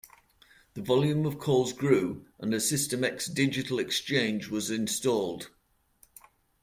The volume of calls grew and a System X digital exchange was installed.